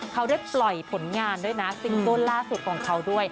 เขาได้ปล่อยผลงานด้วยนะซิงเกิ้ลล่าสุดของเขาด้วย